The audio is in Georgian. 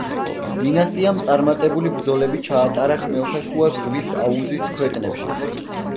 დინასტიამ წარმატებული ბრძოლები ჩაატარა ხმელთაშუა ზღვის აუზის ქვეყნებში.